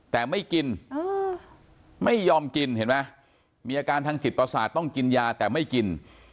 แต่ไม่กินไม่ยอมกินเห็นไหมมีอาการทางจิตประสาทต้องกินยาแต่ไม่กิน